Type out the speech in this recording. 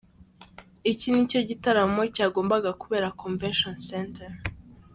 Iki ni cyo gitaramo cyagombaga kubera Convention Centre.